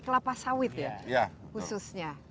kelapa sawit ya khususnya